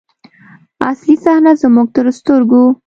اصلي صحنه زموږ تر سترګو.